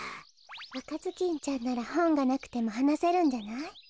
「あかずきんちゃん」ならほんがなくてもはなせるんじゃない？